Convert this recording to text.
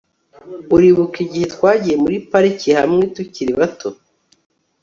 uribuka igihe twagiye muri pariki hamwe tukiri bato